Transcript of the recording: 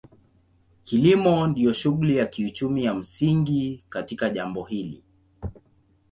Kilimo ndio shughuli ya kiuchumi ya msingi katika jimbo hili.